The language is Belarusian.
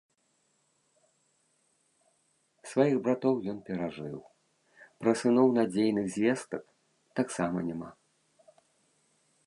Сваіх братоў ён перажыў, пра сыноў надзейных звестак таксама няма.